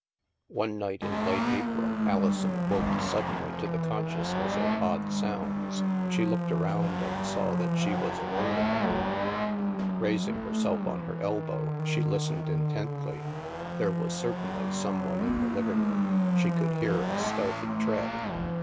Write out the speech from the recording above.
One night in late April, Alison woke suddenly to THE MAELSTROM 197 the consciousness of odd sounds. She looked around and saw that she was alone in the room. Raising herself on her elbow, she listened intently. There was certainly some one in the living room; she could hear a stealthy tread.